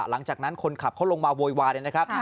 หลังจากนั้นคนขับเขาลงมาโวยวายเลยนะครับ